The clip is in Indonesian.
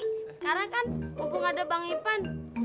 sekarang kan mumpung ada bang ipan